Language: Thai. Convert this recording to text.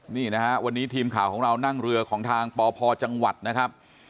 นี่นะฮะวันนี้ทีมข่าวของเรานั่งเรือของทางปพจังหวัดนะครับ